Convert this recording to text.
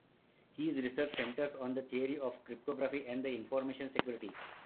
His research centers on the theory of cryptography and information security.